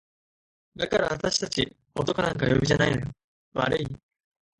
「だからあたし達男なんかお呼びじゃないのよ悪い？」